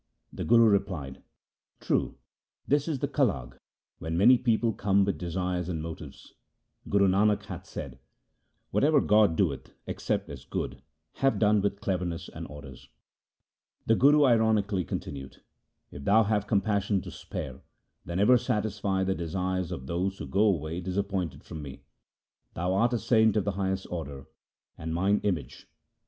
' The Guru replied, 'True, but this is the Kalage when many persons come with desires and motives. Guru Nanak hath said :— "Whatever God doeth accept as good; have done with cleverness and orders." ' The Guru ironically continued :' If thou have compassion to spare, then ever satisfy the desires of those who go away disappointed from me. Thou art a saint of the highest order, and mine image.